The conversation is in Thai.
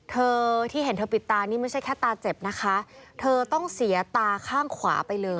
เธอที่เห็นเธอปิดตานี่ไม่ใช่แค่ตาเจ็บนะคะเธอต้องเสียตาข้างขวาไปเลย